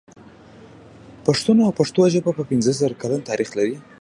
پښتون او پښتو ژبه پنځه زره کلن تاريخ لري.